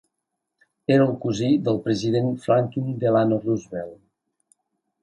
Era el cosí del president Franklin Delano Roosevelt.